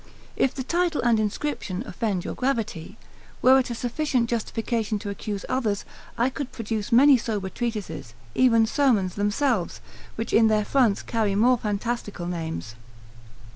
If the title and inscription offend your gravity, were it a sufficient justification to accuse others, I could produce many sober treatises, even sermons themselves, which in their fronts carry more fantastical names.